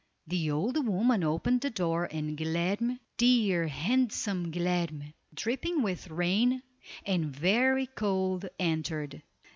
The old woman opened the door, and Guilerme—dear, handsome Guilerme, dripping with rain, and very cold, entered.